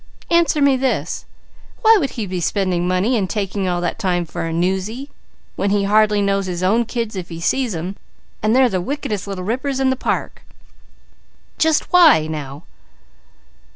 Answer me this: why would he be spending money and taking all that time for a 'newsy' when he hardly knows his own kids if he sees them, and they're the wickedest little rippers in the park. Just why now?"